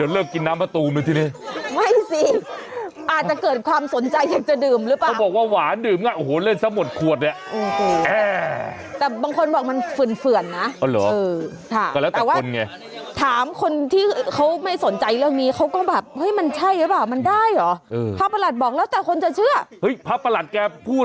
เลิกกินน้ำมาตูหนูที่นี่ไม่สิอาจจะเกิดความสนใจอยากจะดื่มหรือเปล่าเขาบอกว่าหวานดื่มน่ะโอ้โหเล่นซะหมดขวดเนี้ยอืมแต่บางคนบอกมันฝื่นฝื่นนะอ๋อเหรออืมค่ะก็แล้วแต่คนไงถามคนที่เขาไม่สนใจเรื่องนี้เขาก็แบบเฮ้ยมันใช่หรือเปล่ามันได้หรอเออพระประหลักบอกแล้วแต่คนจะเชื่อเฮ้